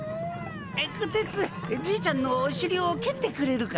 こてつじいちゃんのおしりをけってくれるか？